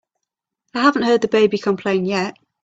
I haven't heard the baby complain yet.